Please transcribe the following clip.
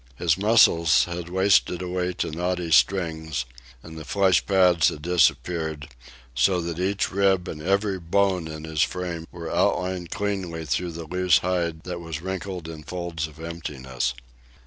His muscles had wasted away to knotty strings, and the flesh pads had disappeared, so that each rib and every bone in his frame were outlined cleanly through the loose hide that was wrinkled in folds of emptiness.